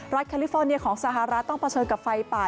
แคลิฟอร์เนียของสหรัฐต้องเผชิญกับไฟป่า